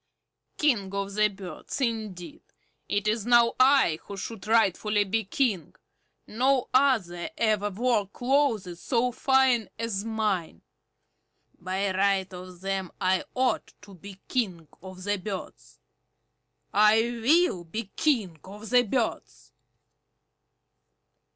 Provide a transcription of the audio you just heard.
King of the Birds, indeed! It is now I who should rightfully be King. No other ever wore clothes so fine as mine. By right of them I ought to be King of the Birds. I will be King of the Birds!"